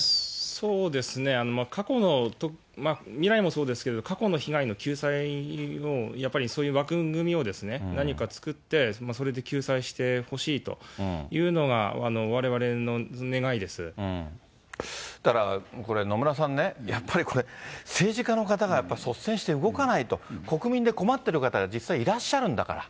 そうですね、過去の、未来もそうですけれども、過去の被害の救済をやっぱりそういう枠組みを何か作って、それで救済してほしいというのが、だから、これ、野村さんね、やっぱりこれ、政治家の方がやっぱり率先して動かないと、国民で困ってる方が実際いらっしゃるんだから。